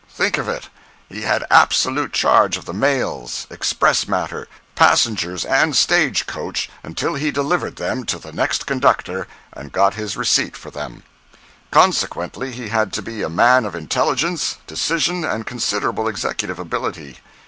Think of it! He had absolute charge of the mails, express matter, passengers and stage coach, until he delivered them to the next conductor, and got his receipt for them. Consequently he had to be a man of intelligence, decision and considerable executive ability.